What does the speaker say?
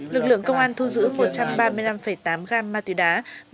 lực lượng công an thu giữ một trăm ba mươi năm tám gam ma túy đá